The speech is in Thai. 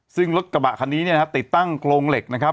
ซึ่งรถกระบะคันนี้เนี่ยนะฮะติดตั้งโครงเหล็กนะครับ